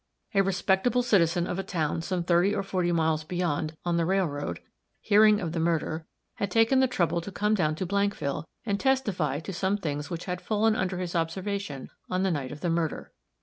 A respectable citizen of a town some thirty or forty miles beyond, on the railroad, hearing of the murder, had taken the trouble to come down to Blankville and testify to some things which had fallen under his observation on the night of the murder.